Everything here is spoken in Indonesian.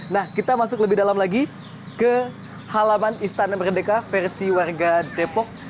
nah kita masuk lebih dalam lagi ke halaman istana merdeka versi warga depok